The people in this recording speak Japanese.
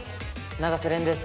永瀬廉です